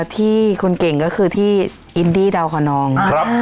ที่คุณเก่งก็คือที่อินดี้ดาวคนนอง